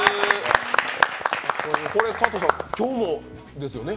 加藤さん、今日もですよね？